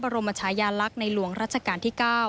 รมชายาลักษณ์ในหลวงรัชกาลที่๙